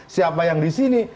siapa yang disini